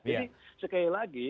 jadi sekali lagi